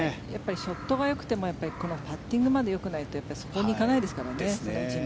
ショットがよくてもパッティングまでよくないとそこへ行かないですからね。